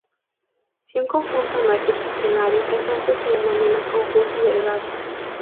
Si un conjunto no es estacionario, entonces se denomina conjunto delgado.